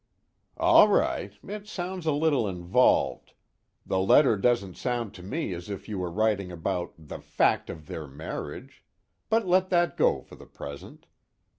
"All right it sounds a little involved the letter doesn't sound to me as if you were writing about the 'fact of their marriage,' but let that go for the present.